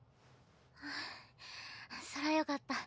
ふぅそらよかった。